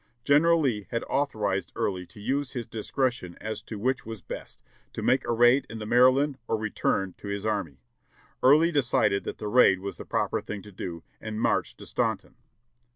"General Lee had authorized Early to use his discretion as to which was best, to make a raid into Maryland or return to his army. Early decided that the raid was the proper thing to do, and marched to Staunton.